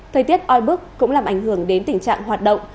thời tiết oi bức cũng làm ảnh hưởng đến tình trạng hoạt động